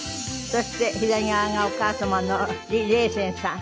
そして左側がお母様の李麗仙さん。